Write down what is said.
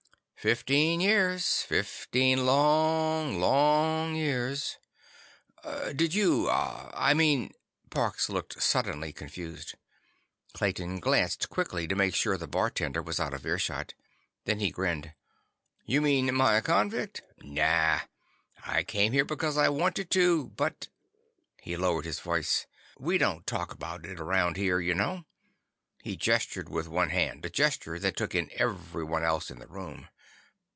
"Fifteen years. Fifteen long, long years." "Did you—uh—I mean—" Parks looked suddenly confused. Clayton glanced quickly to make sure the bartender was out of earshot. Then he grinned. "You mean am I a convict? Nah. I came here because I wanted to. But—" He lowered his voice. "—we don't talk about it around here. You know." He gestured with one hand—a gesture that took in everyone else in the room.